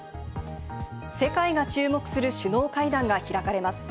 世界が注目する首脳会談が開かれます。